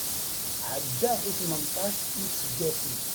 Ɛeddaɣ i tmenṭac isaggasen.